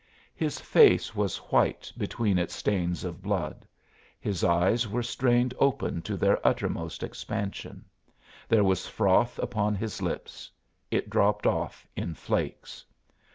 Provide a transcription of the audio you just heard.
His face was white between its stains of blood; his eyes were strained open to their uttermost expansion. There was froth upon his lips; it dropped off in flakes.